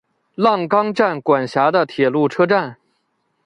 浪冈站管辖的铁路车站。